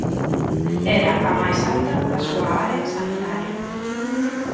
Era a máis alta da súa área sanitaria.